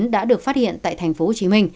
đã được phát hiện tại tp hcm